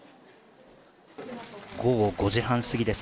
午後５時半すぎです。